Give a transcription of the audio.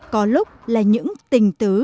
có lúc là những tình tứ